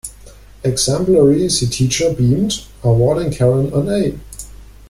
Exemplary, the teacher beamed, awarding Karen an A.